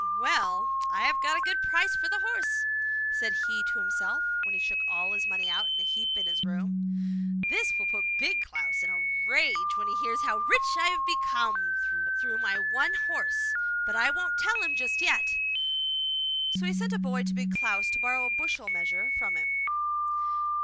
'Well, I have got a good price for the horse!' said he to himself when he shook all his money out in a heap in his room. 'This will put Big Klaus in a rage when he hears how rich I have become through my one horse; but I won't tell him just yet!' So he sent a boy to Big Klaus to borrow a bushel measure from him.